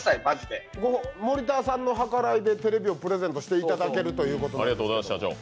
でも、森田さんの計らいでテレビをプレゼントしていただけるということで。